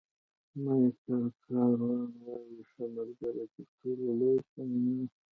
مایکل کاون وایي ښه ملګری تر ټولو لویه شتمني ده.